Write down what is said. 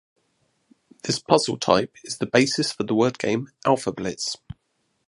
This puzzle type is the basis for the word game Alpha Blitz.